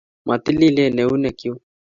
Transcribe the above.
Matililen keunekchuk